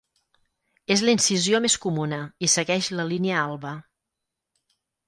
És la incisió més comuna i segueix la línia alba.